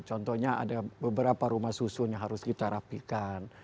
contohnya ada beberapa rumah susun yang harus kita rapikan